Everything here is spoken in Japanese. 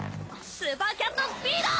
スーパー・キャット・スピード！